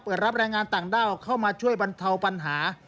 รับแรงงานต่างด้าวเข้ามาช่วยบรรเทาปัญหา